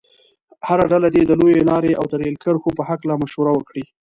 هره ډله دې د لویې لارې او د ریل کرښو په هلکه مشوره وکړي.